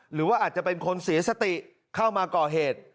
หรือว่าอาจจะเป็นคนเสียสติเข้ามาก่อเหตุ